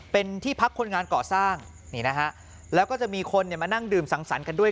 เป็นที่พักคนงานก่อสร้างนี่นะฮะแล้วก็จะมีคนเนี่ยมานั่งดื่มสังสรรค์กันด้วย